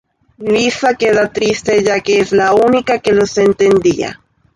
Lisa queda triste ya que es la única que los entendía.